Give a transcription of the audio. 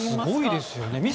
すごいですよね。